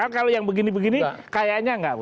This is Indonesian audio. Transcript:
kan kalau yang begini begini kayanya enggak bud